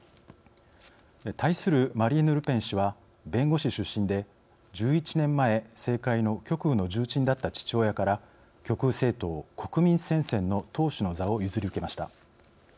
対するマリーヌ・ルペン氏は弁護士出身で、１１年前政界の極右の重鎮だった父親から極右政党「国民戦線」の党首の座を譲り受けました。